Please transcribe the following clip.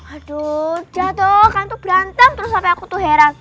aduh jatoh kan tuh berantem terus sampe aku tuh heran